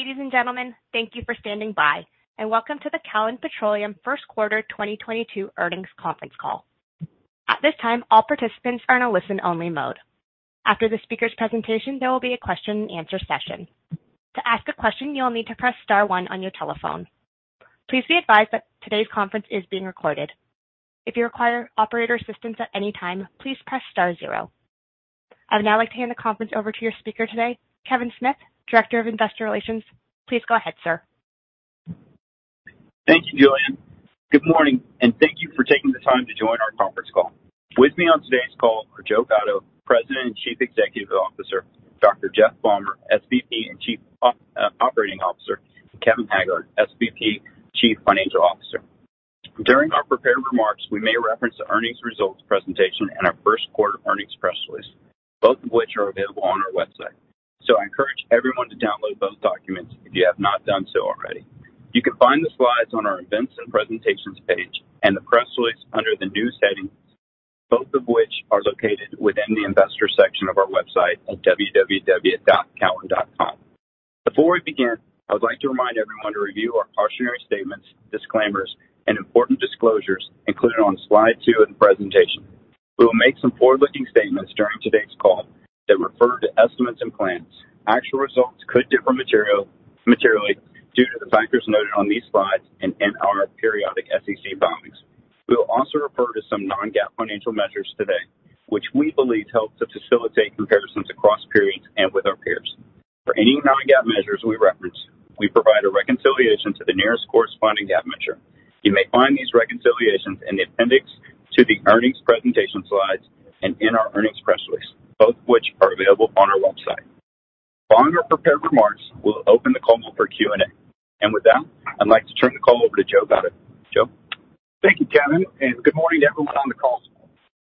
Ladies and gentlemen, thank you for standing by, and welcome to the Callon Petroleum First Quarter 2022 earnings conference call. At this time, all participants are in a listen-only mode. After the speaker's presentation, there will be a question and answer session. To ask a question, you'll need to press star one on your telephone. Please be advised that today's conference is being recorded. If you require operator assistance at any time, please press star zero. I would now like to hand the conference over to your speaker today, Kevin Smith, Director of Investor Relations. Please go ahead, sir. Thank you, Jillian. Good morning, and thank you for taking the time to join our conference call. With me on today's call are Joe Gatto, President & Chief Executive Officer, Dr. Jeff Balmer, SVP & Chief Operating Officer, Kevin Haggard, SVP & Chief Financial Officer. During our prepared remarks, we may reference the earnings results presentation and our first quarter earnings press release, both of which are available on our website. I encourage everyone to download those documents if you have not done so already. You can find the slides on our events and presentations page and the press release under the news section, both of which are located within the investor section of our website at www.callon.com. Before we begin, I would like to remind everyone to review our cautionary statements, disclaimers, and important disclosures included on slide two in the presentation. We will make some forward-looking statements during today's call that refer to estimates and plans. Actual results could differ materially due to the factors noted on these slides and in our periodic SEC filings. We will also refer to some non-GAAP financial measures today, which we believe help to facilitate comparisons across periods and with our peers. For any non-GAAP measures we reference, we provide a reconciliation to the nearest corresponding GAAP measure. You may find these reconciliations in the appendix to the earnings presentation slides and in our earnings press release, both which are available on our website. Following our prepared remarks, we'll open the call for Q&A. With that, I'd like to turn the call over to Joe Gatto. Joe? Thank you, Kevin, and good morning to everyone on the call.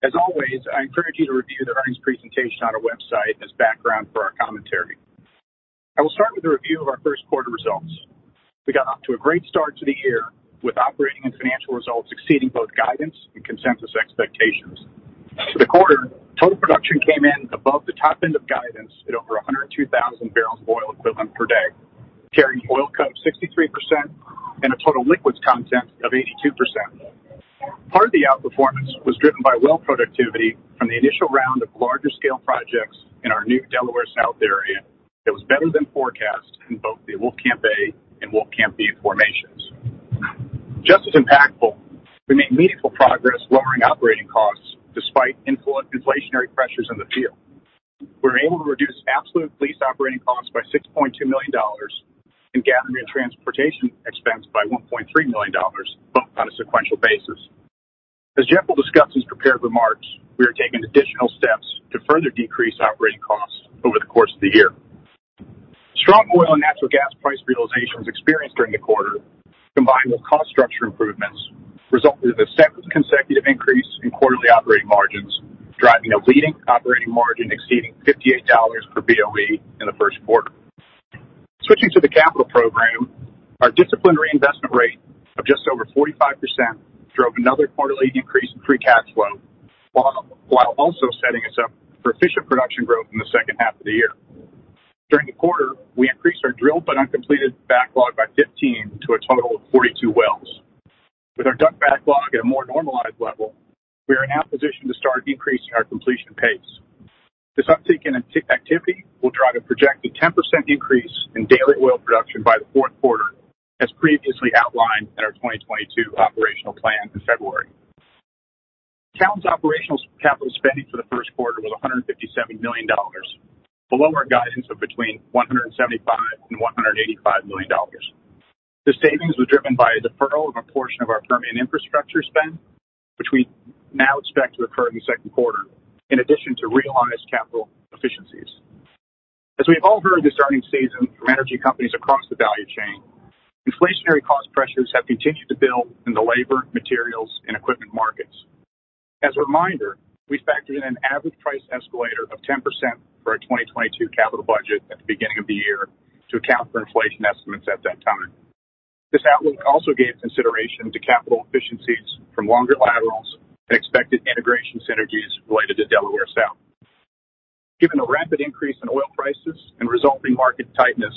As always, I encourage you to review the earnings presentation on our website as background for our commentary. I will start with a review of our first quarter results. We got off to a great start to the year with operating and financial results exceeding both guidance and consensus expectations. For the quarter, total production came in above the top end of guidance at over 102,000 barrels of oil equivalent per day, carrying oil cut of 63% and a total liquids content of 82%. Part of the outperformance was driven by well productivity from the initial round of larger scale projects in our new Delaware South area that was better than forecast in both the Wolfcamp A and Wolfcamp B formations. Just as impactful, we made meaningful progress lowering operating costs despite inflationary pressures in the field. We were able to reduce absolute lease operating costs by $6.2 million and gathering and transportation expense by $1.3 million, both on a sequential basis. As Jeff will discuss his prepared remarks, we are taking additional steps to further decrease operating costs over the course of the year. Strong oil and natural gas price realizations experienced during the quarter, combined with cost structure improvements, resulted in the seventh consecutive increase in quarterly operating margins, driving a leading operating margin exceeding $58 per BOE in the first quarter. Switching to the capital program, our disciplined investment rate of just over 45% drove another quarterly increase in free cash flow, while also setting us up for efficient production growth in the second half of the year. During the quarter, we increased our drilled but uncompleted backlog by 15 to a total of 42 wells. With our DUC backlog at a more normalized level, we are now positioned to start increasing our completion pace. This uptick in activity will drive a projected 10% increase in daily oil production by the fourth quarter, as previously outlined in our 2022 operational plan in February. Callon's operational capital spending for the first quarter was $157 million, below our guidance of between $175 million and $185 million. The savings was driven by a deferral of a portion of our permanent infrastructure spend, which we now expect to occur in the second quarter, in addition to realized capital efficiencies. As we've all heard this earnings season from energy companies across the value chain, inflationary cost pressures have continued to build in the labor, materials, and equipment markets. As a reminder, we factored in an average price escalator of 10% for our 2022 capital budget at the beginning of the year to account for inflation estimates at that time. This outlook also gave consideration to capital efficiencies from longer laterals and expected integration synergies related to Delaware South. Given the rapid increase in oil prices and resulting market tightness,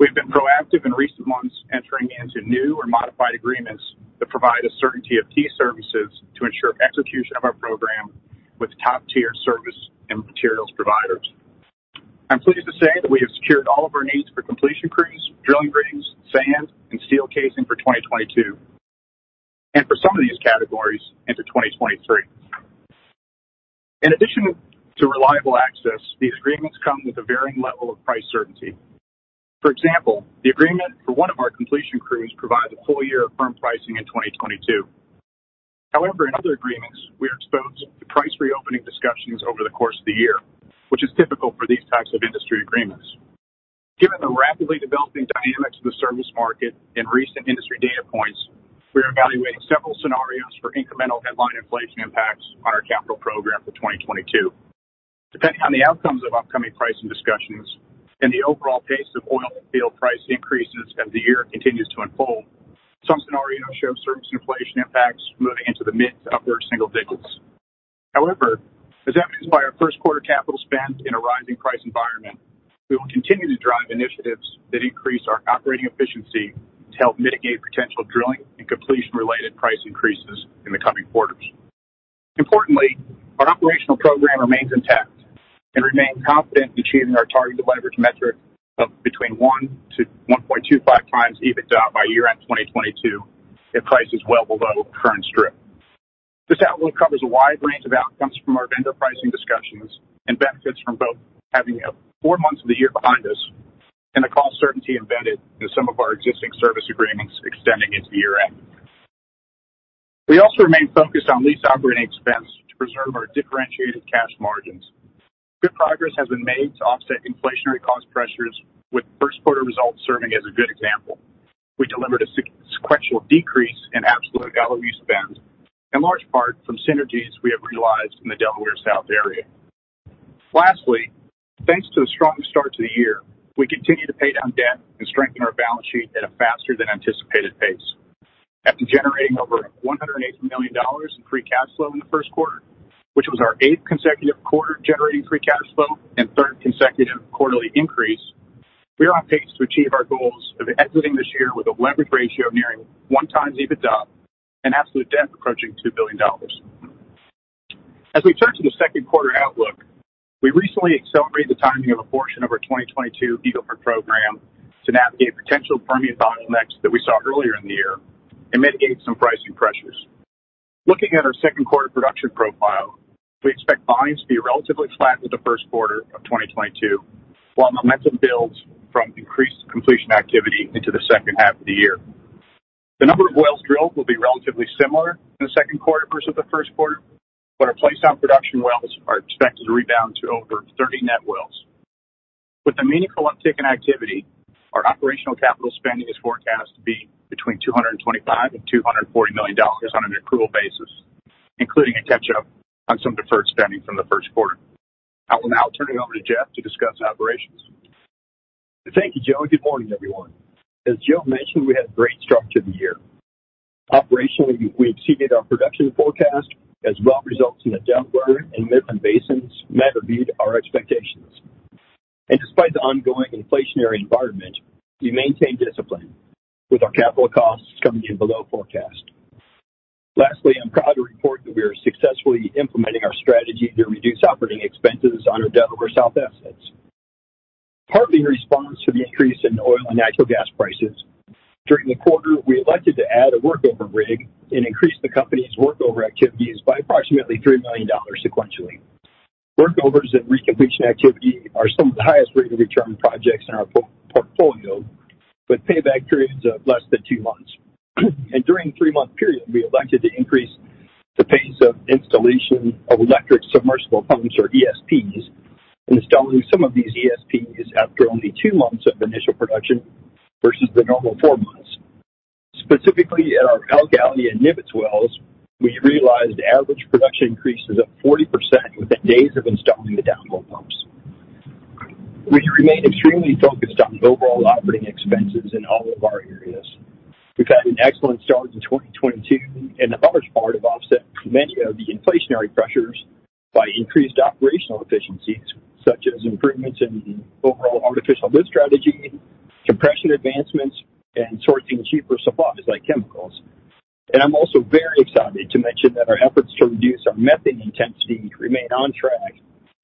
we have been proactive in recent months entering into new or modified agreements that provide a certainty of key services to ensure execution of our program with top-tier service and materials providers. I'm pleased to say that we have secured all of our needs for completion crews, drilling rigs, sand, and steel casing for 2022, and for some of these categories into 2023. In addition to reliable access, these agreements come with a varying level of price certainty. For example, the agreement for one of our completion crews provides a full year of firm pricing in 2022. However, in other agreements, we are exposed to price reopening discussions over the course of the year, which is typical for these types of industry agreements. Given the rapidly developing dynamics of the service market and recent industry data points, we are evaluating several scenarios for incremental headline inflation impacts on our capital program for 2022. Depending on the outcomes of upcoming pricing discussions and the overall pace of oil and fuel price increases as the year continues to unfold, some scenarios show service inflation impacts moving into the mid- to upper-single digits. Despite our first quarter capital spend in a rising price environment, we will continue to drive initiatives that increase our operating efficiency to help mitigate potential drilling and completion-related price increases in the coming quarters. Importantly, our operational program remains intact and remains confident in achieving our target to leverage metric of between 1x-1.25x EBITDA by year-end 2022 if price is well below current strip. This outlook covers a wide range of outcomes from our vendor pricing discussions and benefits from both having four months of the year behind us and the cost certainty embedded in some of our existing service agreements extending into year-end. We also remain focused on lease operating expense to preserve our differentiated cash margins. Good progress has been made to offset inflationary cost pressures, with first quarter results serving as a good example. We delivered a sequential decrease in absolute LOE spend, in large part from synergies we have realized in the Delaware South area. Lastly, thanks to a strong start to the year, we continue to pay down debt and strengthen our balance sheet at a faster than anticipated pace. After generating over $180 million in free cash flow in the first quarter, which was our eighth consecutive quarter generating free cash flow and third consecutive quarterly increase, we are on pace to achieve our goals of exiting this year with a leverage ratio nearing 1x EBITDA and absolute debt approaching $2 billion. As we turn to the second quarter outlook, we recently accelerated the timing of a portion of our 2022 Eagle Ford program to navigate potential permitting bottlenecks that we saw earlier in the year and mitigate some pricing pressures. Looking at our second quarter production profile, we expect volumes to be relatively flat with the first quarter of 2022, while momentum builds from increased completion activity into the second half of the year. The number of wells drilled will be relatively similar in the second quarter versus the first quarter, but our placed on production wells are expected to rebound to over 30 net wells. With the meaningful uptick in activity, our operational capital spending is forecast to be between $225 million and $240 million on an accrual basis, including a catch up on some deferred spending from the first quarter. I will now turn it over to Jeff to discuss operations. Thank you, Joe. Good morning, everyone. As Joe mentioned, we had a great start to the year. Operationally, we exceeded our production forecast as well as results in the Delaware and Midland basins met or beat our expectations. Despite the ongoing inflationary environment, we maintain discipline, with our capital costs coming in below forecast. Lastly, I'm proud to report that we are successfully implementing our strategy to reduce operating expenses on our Delaware South assets. Partly in response to the increase in oil and natural gas prices, during the quarter, we elected to add a workover rig and increase the company's workover activities by approximately $3 million sequentially. Workovers and recompletion activity are some of the highest rate of return projects in our portfolio, with payback periods of less than two months. During three-month period, we elected to increase the pace of installation of electric submersible pumps, or ESPs, installing some of these ESPs after only two months of initial production versus the normal four months. Specifically at our Palgalia and Nibbits wells, we realized average production increases of 40% within days of installing the downhole pumps. We remain extremely focused on overall operating expenses in all of our areas. We've had an excellent start to 2022, and the first part of offset many of the inflationary pressures by increased operational efficiencies, such as improvements in overall artificial lift strategy, compression advancements, and sourcing cheaper supplies like chemicals. I'm also very excited to mention that our efforts to reduce our methane intensity remain on track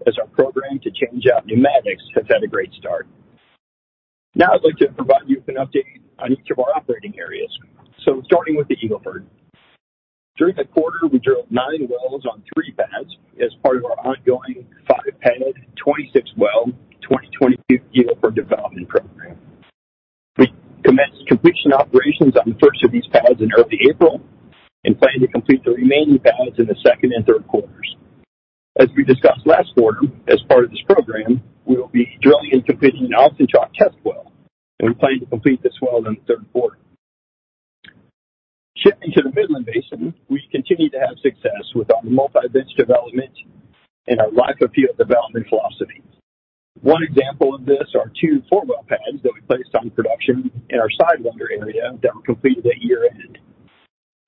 as our program to change out pneumatics has had a great start. Now, I'd like to provide you with an update on each of our operating areas. Starting with the Eagle Ford. During the quarter, we drilled nine wells on three pads as part of our ongoing five-pad, 26-well, 2022 Eagle Ford development program. We commenced completion operations on the first of these pads in early April and plan to complete the remaining pads in the second and third quarters. As we discussed last quarter, as part of this program, we will be drilling and completing an Austin Chalk test well, and we plan to complete this well in the third quarter. Shifting to the Midland Basin, we continue to have success with our multi-bench development and our life of field development philosophy. One example of this are two four-well pads that we placed on production in our Sidewinder area that were completed at year-end.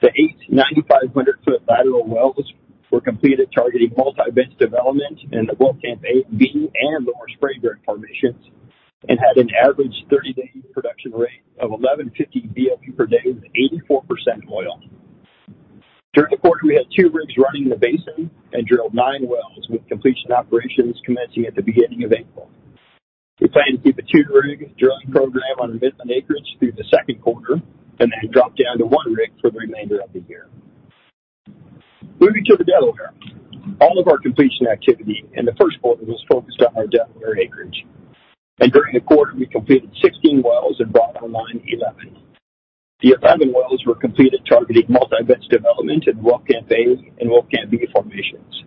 The 8,950-foot lateral wells were completed targeting multi-bench development in the Wolfcamp A, B, and Lower Spraberry formations, and had an average 30-day production rate of 1,150 BOE per day with 84% oil. During the quarter, we had two rigs running in the basin and drilled nine wells, with completion operations commencing at the beginning of April. We plan to keep a two-rig drilling program on Midland acreage through the second quarter and then drop down to one rig for the remainder of the year. Moving to the Delaware. All of our completion activity in the first quarter was focused on our Delaware acreage. During the quarter, we completed 16 wells and brought online 11. The 11 wells were completed targeting multi-bench development in Wolfcamp A and Wolfcamp B formations.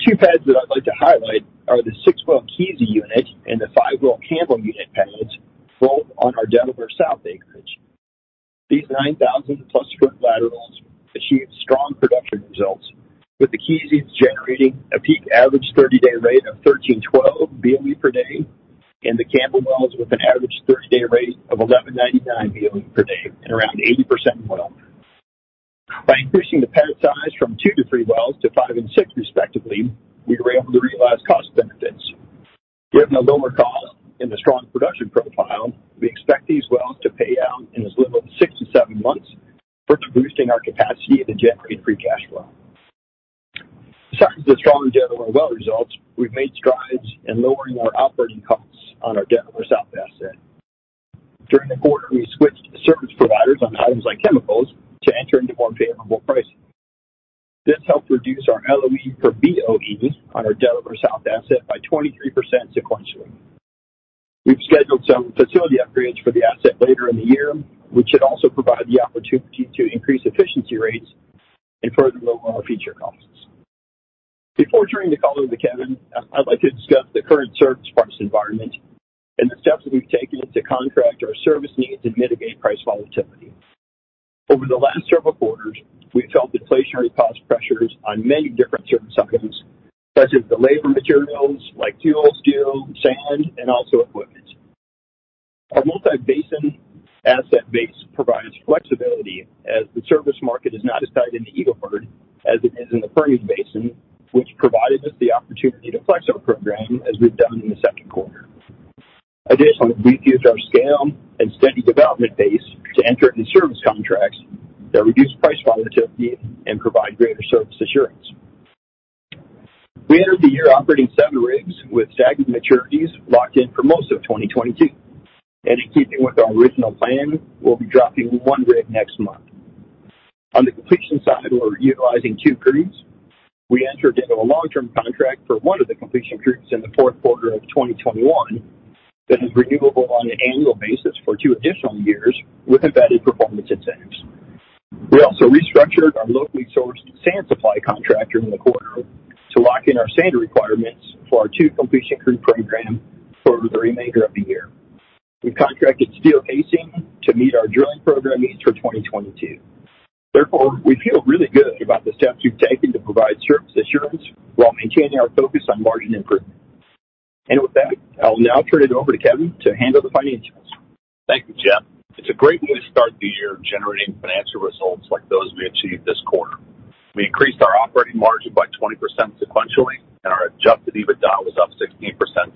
Two pads that I'd like to highlight are the six-well Keezy unit and the five-well Campbell unit pads, both on our Delaware South acreage. These 9,000+ foot laterals achieved strong production results, with the Keezy's generating a peak average 30-day rate of 1,312 BOE per day, and the Campbell wells with an average 30-day rate of 1,199 BOE per day and around 80% oil. By increasing the pad size from two to three wells to five and six respectively, we were able to realize cost benefits. Given the lower cost and the strong production profile, we expect these wells to pay out in as little as six-seven months, further boosting our capacity to generate free cash flow. Besides the strong Delaware well results, we've made strides in lowering our operating costs on our Delaware South asset. During the quarter, we switched service providers on items like chemicals to enter into more favorable pricing. This helped reduce our LOE per BOE on our Delaware South asset by 23% sequentially. We've scheduled some facility upgrades for the asset later in the year, which should also provide the opportunity to increase efficiency rates and further lower our future costs. Before turning the call over to Kevin, I'd like to discuss the current service price environment and the steps that we've taken to contract our service needs and mitigate price volatility. Over the last several quarters, we felt inflationary cost pressures on many different service items such as labor, materials like fuel, steel, sand, and also equipment. Our multi-basin asset base provides flexibility as the service market is not as tight in the Eagle Ford as it is in the Permian Basin, which provided us the opportunity to flex our program as we've done in the second quarter. Additionally, we've used our scale and steady development base to enter into service contracts that reduce price volatility and provide greater service assurance. We entered the year operating seven rigs with staggered maturities locked in for most of 2022. In keeping with our original plan, we'll be dropping one rig next month. On the completion side, we're utilizing two crews. We entered into a long-term contract for one of the completion crews in the fourth quarter of 2021 that is renewable on an annual basis for two additional years with embedded performance incentives. We also restructured our locally sourced sand supply contractor in the quarter to lock in our sand requirements for our two completion crew program for the remainder of the year. We've contracted steel casing to meet our drilling program needs for 2022. Therefore, we feel really good about the steps we've taken to provide service assurance while maintaining our focus on margin improvement. With that, I'll now turn it over to Kevin to handle the financials. Thank you, Jeff. It's a great way to start the year generating financial results like those we achieved this quarter. We increased our operating margin by 20% sequentially, and our adjusted EBITDA was up 16%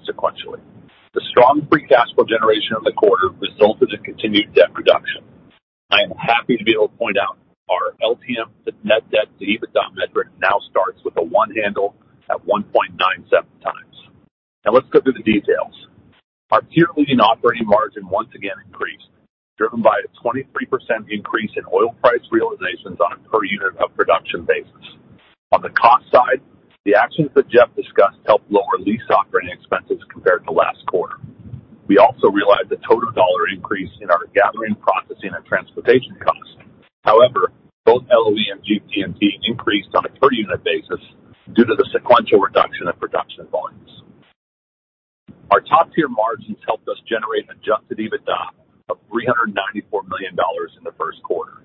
sequentially. The strong free cash flow generation in the quarter resulted in continued debt reduction. I am happy to be able to point out our LTM net debt-to-EBITDA metric now starts with a one handle at 1.97x. Now let's go through the details. Our peer-leading operating margin once again increased, driven by a 23% increase in oil price realizations on a per unit of production basis. On the cost side, the actions that Jeff discussed helped lower lease operating expenses compared to last quarter. We also realized a total dollar increase in our gathering, processing, and transportation costs. However, both LOE and GP&T increased on a per unit basis due to the sequential reduction in production volumes. Our top-tier margins helped us generate an adjusted EBITDA of $394 million in the first quarter.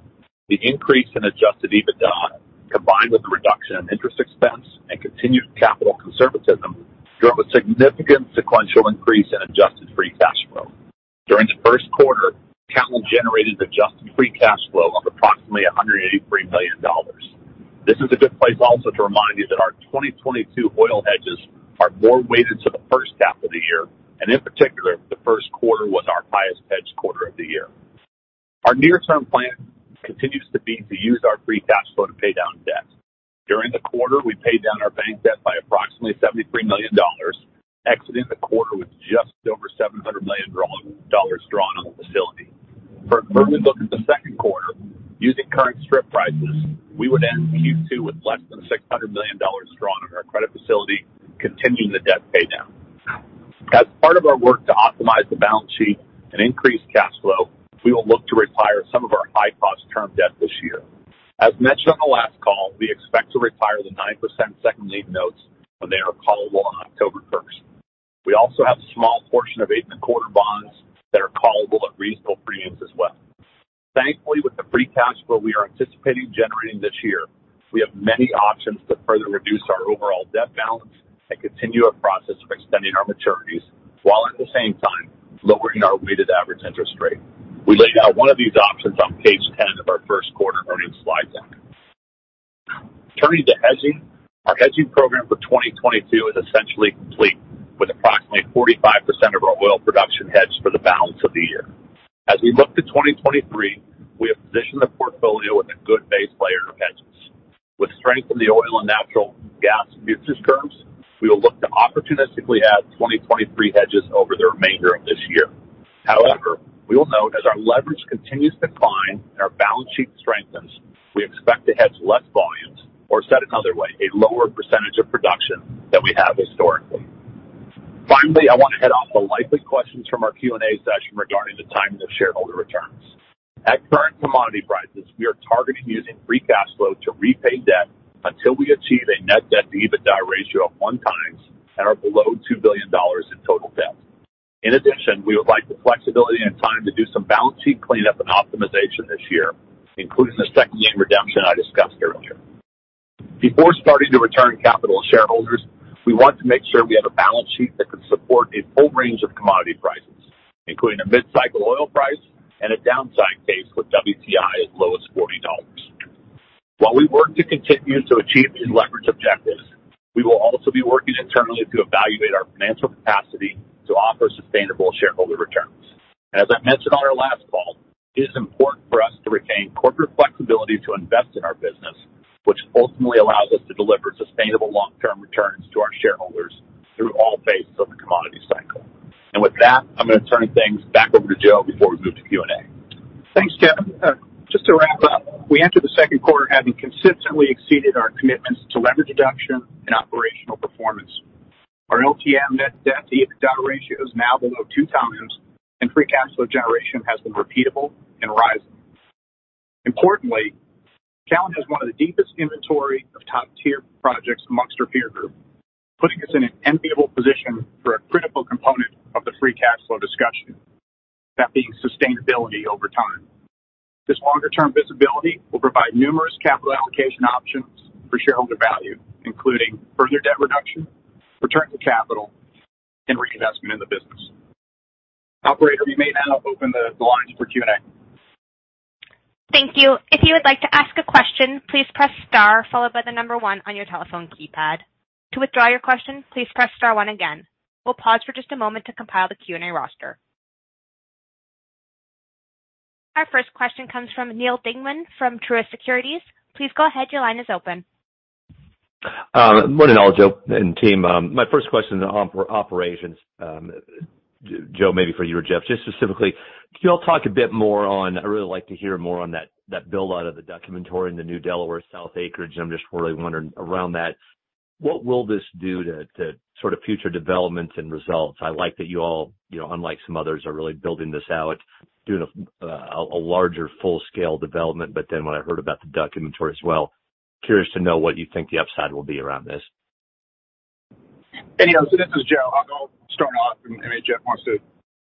The increase in adjusted EBITDA, combined with the reduction in interest expense and continued capital conservatism, drove a significant sequential increase in adjusted free cash flow. During the first quarter, Callon generated adjusted free cash flow of approximately $183 million. This is a good place also to remind you that our 2022 oil hedges are more weighted to the first half of the year, and in particular, the first quarter was our highest hedged quarter of the year. Our near-term plan continues to be to use our free cash flow to pay down debt. During the quarter, we paid down our bank debt by approximately $73 million, exiting the quarter with just over $700 million dollars drawn on the facility. When we look at the second quarter, using current strip prices, we would end Q2 with less than $600 million drawn on our credit facility, continuing the debt pay down. As part of our work to optimize the balance sheet and increase cash flow, we will look to retire some of our high-cost term debt this year. As mentioned on the last call, we expect to retire the 9% second-lien notes when they are callable on October first. We also have a small portion of 8.25% bonds that are callable at reasonable premiums as well. Thankfully, with the free cash flow we are anticipating generating this year, we have many options to further reduce our overall debt balance and continue our process of extending our maturities, while at the same time, lowering our weighted average interest rate. We laid out one of these options on page 10 of our first quarter earnings slide deck. Turning to hedging. Our hedging program for 2022 is essentially complete with approximately 45% of our oil production hedged for the balance of the year. As we look to 2023, we have positioned the portfolio with a good base layer of hedges. With strength in the oil and natural gas futures curves, we will look to opportunistically add 2023 hedges over the remainder of this year. However, we will note as our leverage continues to climb and our balance sheet strengthens, we expect to hedge less volumes or said another way, a lower percentage of production than we have historically. Finally, I want to head off the likely questions from our Q&A session regarding the timing of shareholder returns. At current commodity prices, we are targeting using free cash flow to repay debt until we achieve a net debt-to-EBITDA ratio of 1x and are below $2 billion in total debt. In addition, we would like the flexibility and time to do some balance sheet cleanup and optimization this year, including the second-lien redemption I discussed. To return capital to shareholders, we want to make sure we have a balance sheet that can support a full range of commodity prices, including a mid-cycle oil price and a downside case with WTI as low as $40. While we work to continue to achieve these leverage objectives, we will also be working internally to evaluate our financial capacity to offer sustainable shareholder returns. As I mentioned on our last call, it is important for us to retain corporate flexibility to invest in our business, which ultimately allows us to deliver sustainable long-term returns to our shareholders through all phases of the commodity cycle. With that, I'm gonna turn things back over to Joe before we move to Q&A. Thanks, Jeff. Just to wrap up, we entered the second quarter having consistently exceeded our commitments to leverage reduction and operational performance. Our LTM net debt to EBITDA ratio is now below two times, and free cash flow generation has been repeatable and rising. Importantly, Callon has one of the deepest inventory of top-tier projects amongst our peer group, putting us in an enviable position for a critical component of the free cash flow discussion, that being sustainability over time. This longer-term visibility will provide numerous capital allocation options for shareholder value, including further debt reduction, return to capital, and reinvestment in the business. Operator, we may now open the lines for Q&A. Thank you. If you would like to ask a question, please press star followed by the number one on your telephone keypad. To withdraw your question, please press star one again. We'll pause for just a moment to compile the Q&A roster. Our first question comes from Neal Dingmann from Truist Securities. Please go ahead. Your line is open. Good morning, all, Joe and team. My first question on operations. Joe, maybe for you or Jeff, just specifically, can y'all talk a bit more on—I really like to hear more on that build-out of the DUC inventory in the New Delaware South acreage. I'm just really wondering about that, what will this do to sort of future developments and results? I like that you all, you know, unlike some others, are really building this out, doing a larger full-scale development. What I heard about the DUC inventory as well, curious to know what you think the upside will be around this. Hey, Neil. This is Joe. I'll start off, and maybe Jeff wants to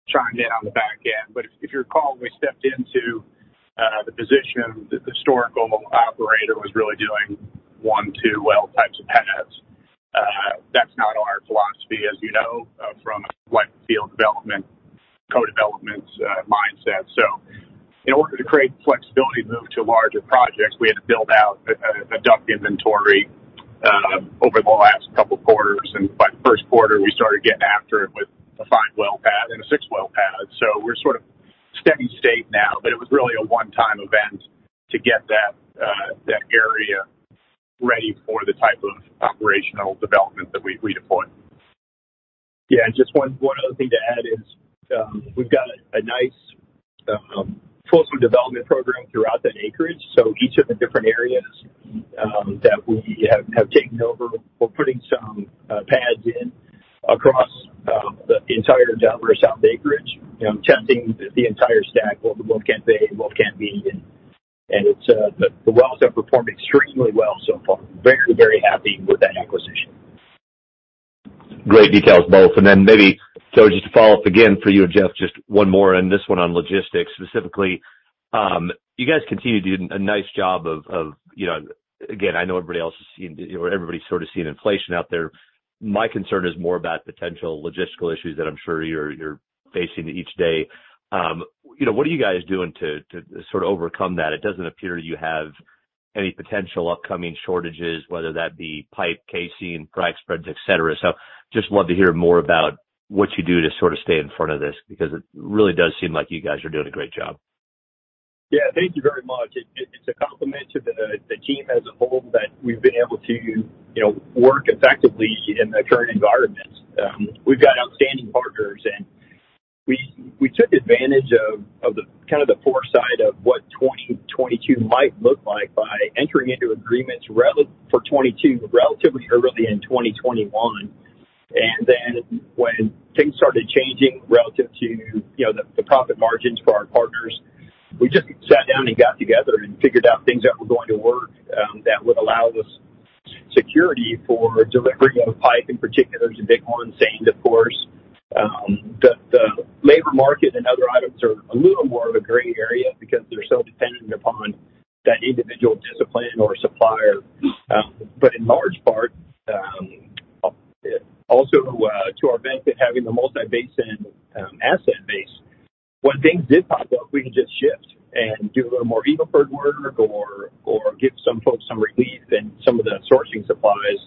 chime in on the back end. If you recall, we stepped into the position of the historical operator was really doing one, two well types of pads. That's not our philosophy, as you know, from a life-of-field development, co-development mindset. In order to create flexibility to move to larger projects, we had to build out a DUC inventory over the last couple of quarters. By the first quarter, we started getting after it with a five-well pad and a six-well pad. We're sort of steady state now, but it was really a one-time event to get that area ready for the type of operational development that we deploy. Just one other thing to add is we've got a nice full swing development program throughout that acreage. Each of the different areas that we have taken over, we're putting some pads in across the entire Delaware South acreage, you know, testing the entire stack, both Wolfcamp A and Wolfcamp B. It's the wells have performed extremely well so far. Very, very happy with that acquisition. Great details, both. Then maybe, Joe, just to follow up again for you and Jeff, just one more and this one on logistics specifically. You guys continue to do a nice job of you know. Again, I know everybody else has seen or everybody's sort of seeing inflation out there. My concern is more about potential logistical issues that I'm sure you're facing each day. You know, what are you guys doing to sort of overcome that? It doesn't appear you have any potential upcoming shortages, whether that be pipe, casing, frac spreads, et cetera. Just love to hear more about what you do to sort of stay in front of this because it really does seem like you guys are doing a great job. Yeah. Thank you very much. It's a compliment to the team as a whole that we've been able to, you know, work effectively in the current environment. We've got outstanding partners, and we took advantage of the foresight of what 2022 might look like by entering into agreements for 2022 relatively early in 2021. When things started changing relative to, you know, the profit margins for our partners, we just sat down and got together and figured out things that were going to work that would allow us security for delivery of pipe, in particular, is a big one, sand of course. The labor market and other items are a little more of a gray area because they're so dependent upon that individual discipline or supplier. In large part, also, to our benefit, having the multi-basin asset base, when things did pop up, we could just shift and do a little more Eagle Ford work or give some folks some relief in some of the sourcing supplies.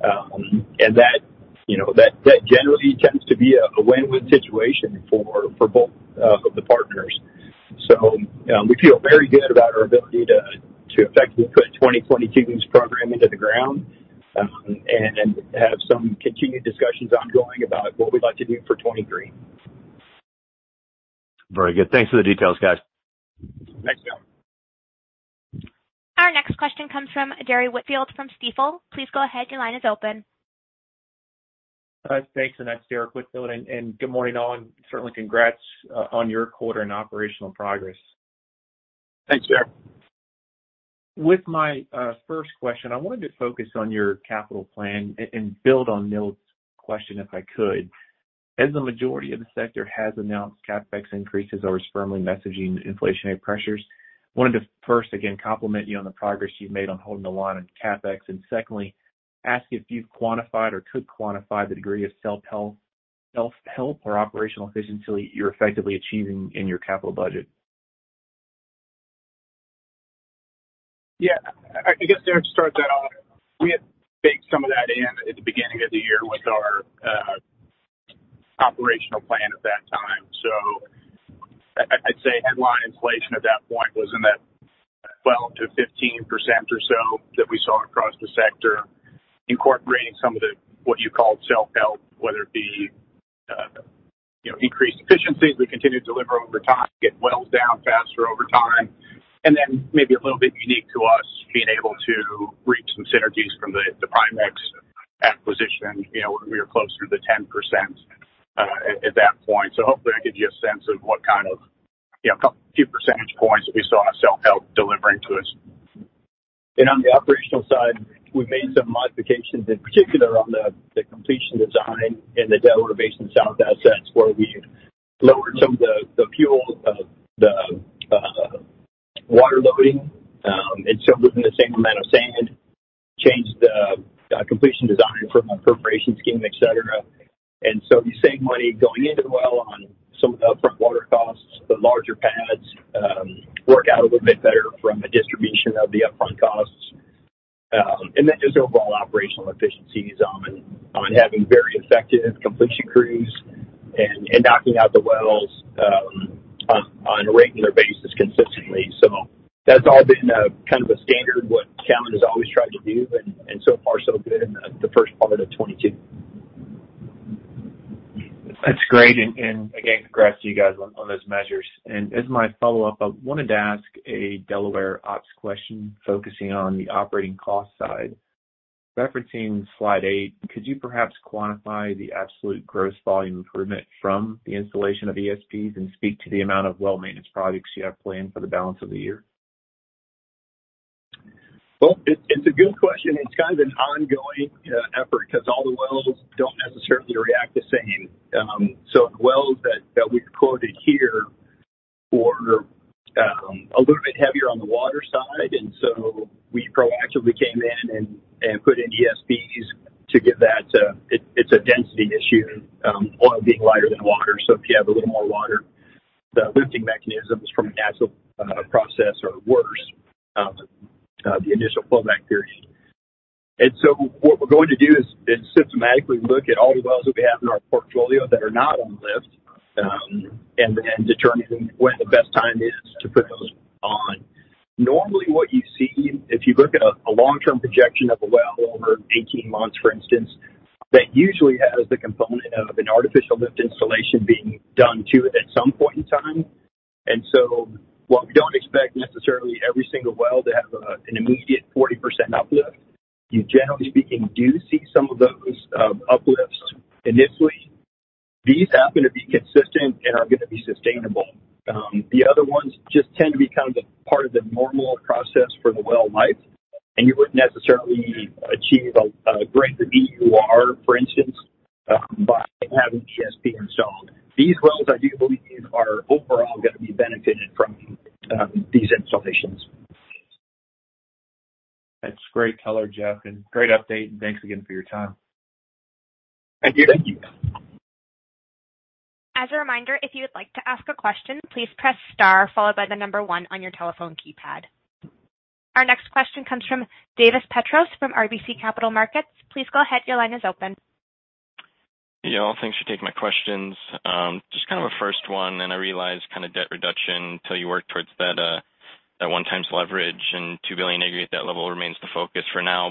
That, you know, that generally tends to be a win-win situation for both of the partners. We feel very good about our ability to effectively put 2022's program into the ground and have some continued discussions ongoing about what we'd like to do for 2023. Very good. Thanks for the details, guys. Thanks, Neal. Our next question comes from Derrick Whitfield from Stifel. Please go ahead. Your line is open. Thanks. That's Derrick Whitfield. Good morning, all, and certainly congrats on your quarter and operational progress. Thanks, Derrick. With my first question, I wanted to focus on your capital plan and build on Neal's question, if I could. As the majority of the sector has announced CapEx increases or is firmly messaging inflationary pressures, wanted to first again compliment you on the progress you've made on holding the line in CapEx. Secondly, ask if you've quantified or could quantify the degree of self-help or operational efficiency you're effectively achieving in your capital budget. Yeah. I guess to start that off, we had baked some of that in at the beginning of the year with our operational plan at that time. I'd say headline inflation at that point was in that 12%-15% or so that we saw across the sector, incorporating some of the what you called self-help, whether it be you know increased efficiencies we continue to deliver over time, get wells down faster over time. Maybe a little bit unique to us being able to reap some synergies from the Primexx acquisition, you know we were closer to the 10% at that point. Hopefully I gave you a sense of what kind of few percentage points that we saw our self-help delivering to us. On the operational side, we made some modifications in particular on the completion design in the Delaware Basin south assets, where we lowered some of the fluid water loading, and still within the same amount of sand, changed the completion design from a perforation scheme, et cetera. You save money going into the well on some of the upfront water costs. The larger pads work out a little bit better from a distribution of the upfront costs. Just overall operational efficiencies on having very effective completion crews and knocking out the wells on a regular basis consistently. That's all been a kind of standard what Callon has always tried to do, and so far, so good in the first part of 2022. That's great. Again, congrats to you guys on those measures. As my follow-up, I wanted to ask a Delaware ops question focusing on the operating cost side. Referencing slide eight, could you perhaps quantify the absolute gross volume improvement from the installation of ESPs and speak to the amount of well maintenance projects you have planned for the balance of the year? Well, it's a good question. It's kind of an ongoing effort because all the wells don't necessarily react the same. So the wells that we've quoted here were a little bit heavier on the water side, and so we proactively came in and put in ESPs to give that. It's a density issue, oil being lighter than water. So if you have a little more water, the lifting mechanism is from a natural process or worse, the initial flowback period. What we're going to do is systematically look at all the wells that we have in our portfolio that are not on lift, and determining when the best time is to put those on. Normally, what you see if you look at a long-term projection of a well over 18 months, for instance, that usually has the component of an artificial lift installation being done to it at some point in time. While we don't expect necessarily every single well to have an immediate 40% uplift, you generally speaking do see some of those uplifts initially. These happen to be consistent and are gonna be sustainable. The other ones just tend to be kind of the part of the normal process for the well life, and you wouldn't necessarily achieve a greater EUR, for instance, by having ESP installed. These wells, I do believe these are overall gonna be benefiting from these installations. That's great color, Jeff, and great update. Thanks again for your time. Thank you. As a reminder, if you would like to ask a question, please press star followed by the number one on your telephone keypad. Our next question comes from Davis Petros from RBC Capital Markets. Please go ahead. Your line is open. Yeah. Thanks for taking my questions. Just kind of a first one, and I realize kinda debt reduction till you work towards that 1x leverage and $2 billion EBITDA level remains the focus for now.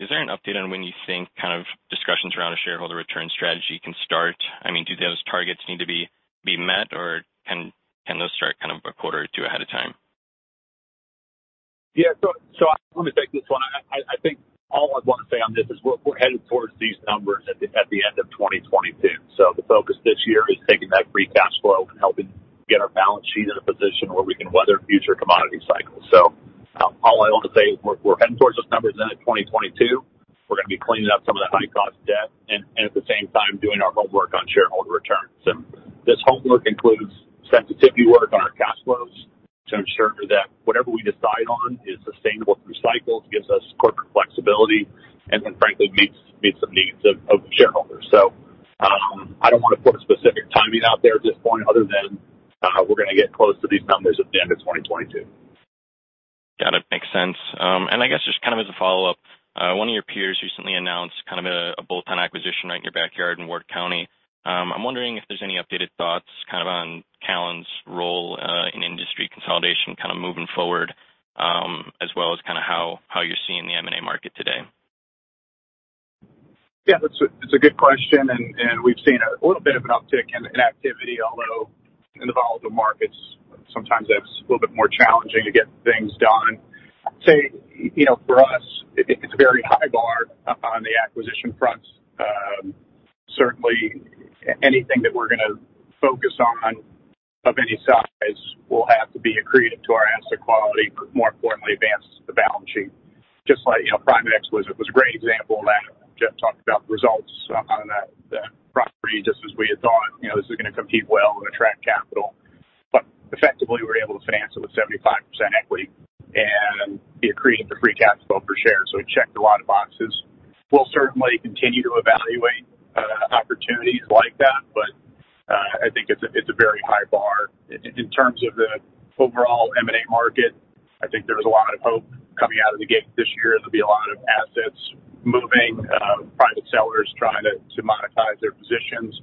Is there an update on when you think kind of discussions around a shareholder return strategy can start? I mean, do those targets need to be met, or can those start kind of a quarter or two ahead of time? Yeah. Let me take this one. I think all I'd wanna say on this is we're headed towards these numbers at the end of 2022. The focus this year is taking that free cash flow and helping get our balance sheet in a position where we can weather future commodity cycles. All I want to say is we're heading towards those numbers then in 2022. We're gonna be cleaning up some of the high cost debt and at the same time doing our homework on shareholder returns. This homework includes sensitivity work on our cash flows to ensure that whatever we decide on is sustainable through cycles, gives us corporate flexibility, and then frankly meets the needs of shareholders. I don't wanna put specific timing out there at this point other than we're gonna get close to these numbers at the end of 2022. Got it. Makes sense. I guess just kind of as a follow-up, one of your peers recently announced kind of a bolt-on acquisition right in your backyard in Ward County. I'm wondering if there's any updated thoughts kind of on Callon's role in industry consolidation kind of moving forward, as well as kinda how you're seeing the M&A market today. Yeah. That's a good question, and we've seen a little bit of an uptick in activity, although in the volatile markets, sometimes that's a little bit more challenging to get things done. I'd say, you know, for us, it's a very high bar on the acquisition front. Certainly anything that we're gonna More importantly, advances the balance sheet. Just like, Primexx was a great example of that. Jeff talked about the results on that property, just as we had thought. This is going to compete well and attract capital. Effectively, we're able to finance it with 75% equity and it created the free cash flow per share. It checked a lot of boxes. We'll certainly continue to evaluate opportunities like that, but I think it's a very high bar. In terms of the overall M&A market, I think there's a lot of hope coming out of the gate this year. There'll be a lot of assets moving, private sellers trying to monetize their positions.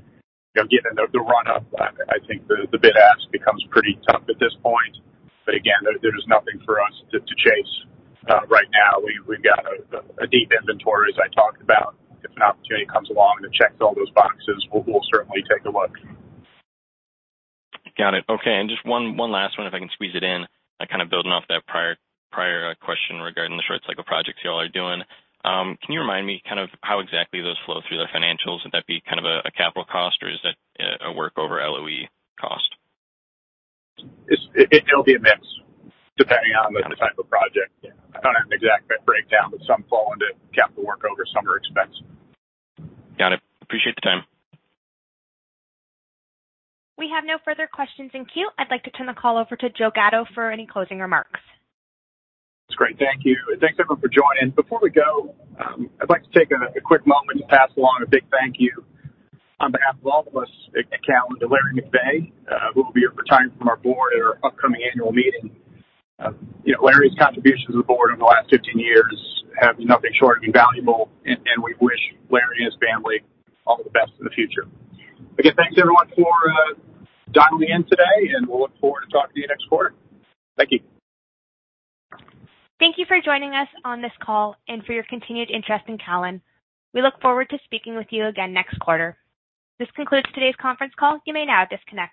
Given the run up, I think the bid ask becomes pretty tough at this point. Again, there's nothing for us to chase. Right now, we've got a deep inventory, as I talked about. If an opportunity comes along and it checks all those boxes, we'll certainly take a look. Got it. Okay. Just one last one, if I can squeeze it in. Kind of building off that prior question regarding the short cycle projects you all are doing. Can you remind me kind of how exactly those flow through the financials? Would that be kind of a capital cost or is that a workover LOE cost? It'll be a mix depending on the type of project. I don't have an exact breakdown, but some fall into capital workover, some are expense. Got it. Appreciate the time. We have no further questions in queue. I'd like to turn the call over to Joe Gatto for any closing remarks. That's great. Thank you. Thanks, everyone, for joining. Before we go, I'd like to take a quick moment to pass along a big thank you on behalf of all of us at Callon Petroleum to Larry, who will be retiring from our board at our upcoming annual meeting. You know, Larry's contributions to the board over the last 15 years have been nothing short of invaluable, and we wish Larry and his family all the best in the future. Again, thanks everyone for dialing in today, and we'll look forward to talking to you next quarter. Thank you. Thank you for joining us on this call and for your continued interest in Callon. We look forward to speaking with you again next quarter. This concludes today's conference call. You may now disconnect.